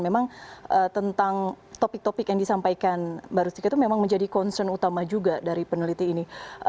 memang tentang topik topik yang disampaikan mbak rustika itu memang menjadi concern utama juga dari peneliti ini